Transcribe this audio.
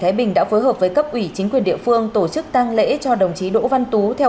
thái bình đã phối hợp với cấp ủy chính quyền địa phương tổ chức tăng lễ cho đồng chí đỗ văn tú theo